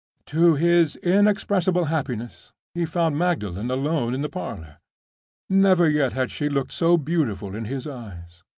To his inexpressible happiness, he found Magdalen alone in the parlor. Never yet had she looked so beautiful in his eyes.